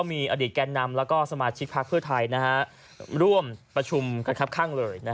มีอดีตแก่นนำแล้วก็สมาชิกพลักษณ์เพื่อไทยร่วมประชุมข้าง